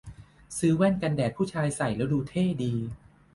ซื้อแว่นกันแดดผู้ชายใส่แล้วเท่ดูดี